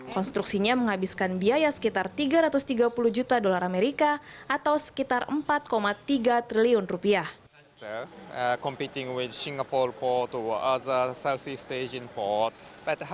konstruksinya menghabiskan biaya sekitar tiga ratus tiga puluh juta dolar amerika atau sekitar empat tiga triliun rupiah